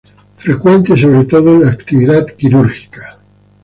Frecuente sobre todo en la actividad quirúrgica.